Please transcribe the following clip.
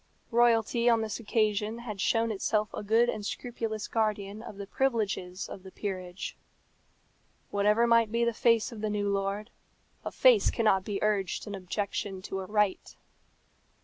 Royalty on this occasion had shown itself a good and scrupulous guardian of the privileges of the peerage. Whatever might be the face of the new lord, a face cannot be urged in objection to a right.